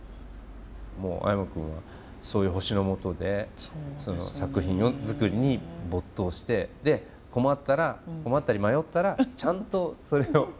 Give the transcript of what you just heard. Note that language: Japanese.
もう阿山くんはそういう星のもとで作品作りに没頭してで困ったら困ったり迷ったらちゃんとそれを。